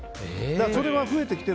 それは増えてきている。